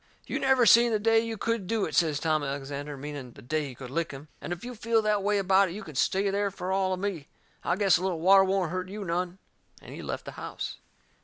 "You never seen the day you could do it," says Tom Alexander, meaning the day he could lick him. "And if you feel that way about it you can stay there fur all of me. I guess a little water won't hurt you none." And he left the house.